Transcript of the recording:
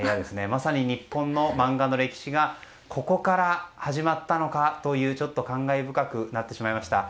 まさに日本の漫画の歴史がここから始まったのかとちょっと感慨深くなってしまいました。